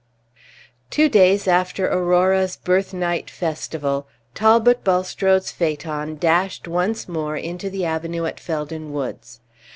Two days after Aurora's birthnight festival, Talbot Bulstrode's phaeton dashed once more into the avenue at Felden Woods.